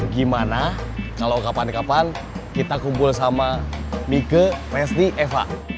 gimana kalau kapan kapan kita kumpul sama mike mesni eva